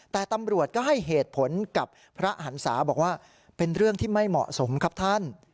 แต่ตำรวจก็ให้เหตุผลกับพระหันศาบอกว่าเป็นเรื่องที่ไม่เหมาะสมครับท่าน